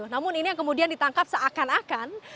namun ini yang kemudian ditangkap seakan akan